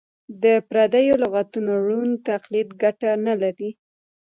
د پردیو لغتونو ړوند تقلید ګټه نه لري.